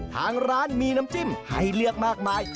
ทางร้านมีน้ำจิ้มให้เลือกมากมาย